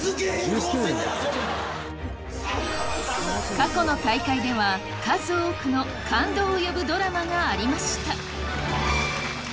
過去の大会では数多くの感動を呼ぶドラマがありました！